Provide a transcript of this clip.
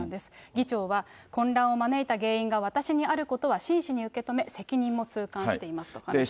議長は、混乱を招いた原因が私にあることは真摯に受け止め、責任も痛感していますと話しています。